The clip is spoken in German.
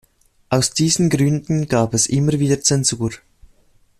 Aus diesen Gründen gab es immer wieder Zensur.